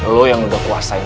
lu yang udah kuasa yang